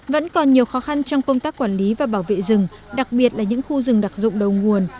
vẫn còn nhiều khó khăn trong công tác quản lý và bảo vệ rừng đặc biệt là những khu rừng đặc dụng đầu nguồn